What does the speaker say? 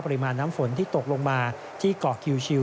ปริมาณน้ำฝนที่ตกลงมาที่เกาะคิว